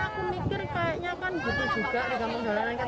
soalnya aku mikir kayaknya kan butuh juga di kampung dolanan